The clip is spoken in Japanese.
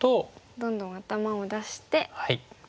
どんどん頭を出して。